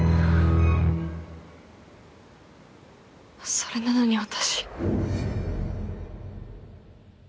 それなのに私。